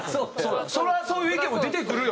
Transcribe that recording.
そりゃそういう意見も出てくるよ